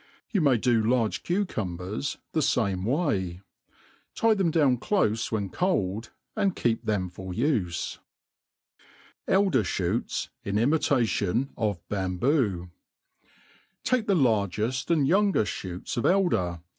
You may do large cucumbers the fame way. Tit thcru down cloiie wi^o'jcplJ^ and ke^p tienji for ufe. Elder.'ShootSy in imitation of Bamho* TAKE «he largeft and yoangeft fbooCsof eld^r